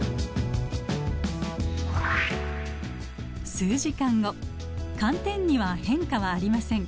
数時間後寒天には変化はありません。